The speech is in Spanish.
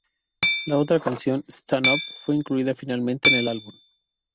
La otra canción, "Stand Up", fue incluida finalmente en el álbum.